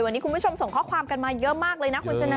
วันนี้คุณผู้ชมส่งข้อความกันมาเยอะมากเลยนะคุณชนะ